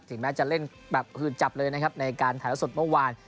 แม้จะเล่นแบบหืดจับเลยนะครับในการถ่ายละสดเมื่อวาน